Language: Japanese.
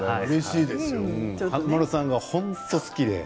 華丸さんは本当に好きで。